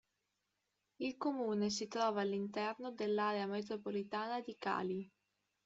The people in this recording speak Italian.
Il comune si trova all'interno dell'area metropolitana di Cali.